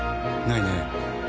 ないね。